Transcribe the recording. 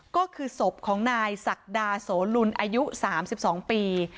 ก็คือศพของนายศักดาโสลุลอายุสามสิบสองปี